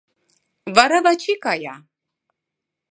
Вара Вачи кая...